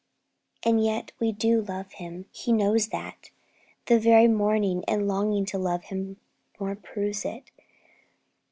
And yet we do love Him! He knows that! The very mourning and longing to love Him more proves it.